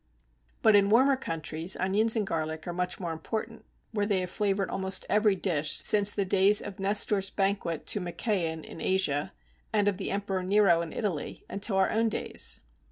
But in warmer countries onions and garlic are much more important, where they have flavoured almost every dish since the days of Nestor's banquet to Machaon in Asia, and of the Emperor Nero in Italy, until our own days.